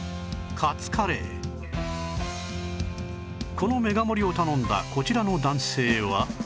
このメガ盛りを頼んだこちらの男性は